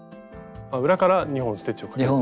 裏から２本ステッチをかけるんですね。